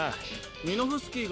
ミノフスキーが。